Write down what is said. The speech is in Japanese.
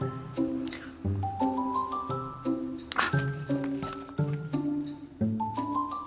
あっ。